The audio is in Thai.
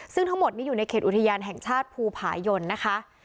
ซึ่งทั้งหมดนี้อยู่ในเขตอุทยานแห่งชาติภูผายนนะคะ